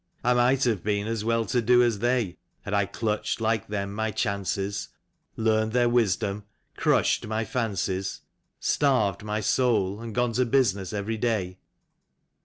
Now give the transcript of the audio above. I might have been as well to do as they Had I clutched like them my chances, learned their wisdom, crushed my fancies, Starved my soul and gone to business every day.